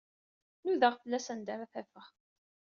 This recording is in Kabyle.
Nudaɣ fell-as anda ara t-afeɣ.